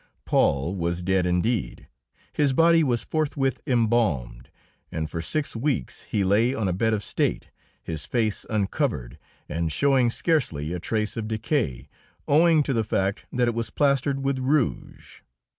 Paul was dead, indeed; his body was forthwith embalmed, and for six weeks he lay on a bed of state, his face uncovered and showing scarcely a trace of decay, owing to the fact that it was plastered with rouge.